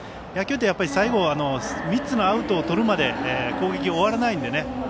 野球って最後３つのアウトをとるまで攻撃は終わらないのでね。